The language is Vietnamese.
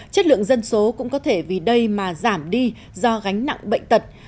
chất lượng dân số cũng có thể vì đây mà giảm đi do gánh nặng bệnh tật